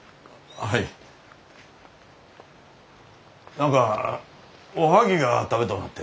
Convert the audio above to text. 何かおはぎが食べとうなって。